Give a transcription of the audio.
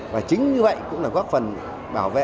và chính như vậy cũng là góp phần bảo vệ